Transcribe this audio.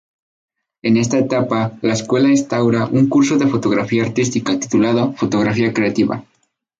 En esta etapa, la escuela instaura un concurso de fotografía artística titulado "Fotografía creativa".